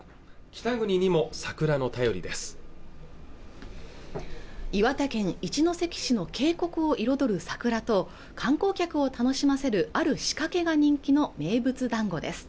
北国にも桜の便りです岩手県一関市の渓谷を彩るサクラと観光客を楽しませるある仕掛けが人気の名物団子です